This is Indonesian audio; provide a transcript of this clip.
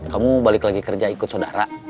kamu balik lagi kerja ikut saudara